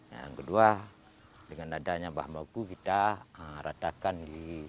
yang kedua dengan adanya bahan baku kita ratakan di